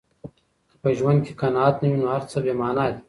که په ژوند کې قناعت نه وي، نو هر څه بې مانا دي.